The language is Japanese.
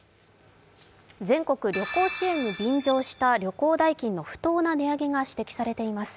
全国旅行支援に便乗した旅行代金の不当な値上げが指摘されています。